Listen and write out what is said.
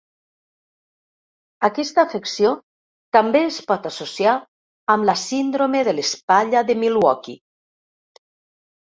Aquesta afecció també es pot associar amb la síndrome de l'espatlla de Milwaukee.